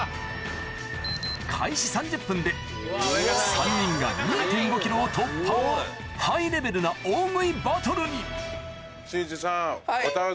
３人が２．５ｋｇを突破ハイレベルな大食いバトルにしんいちさん。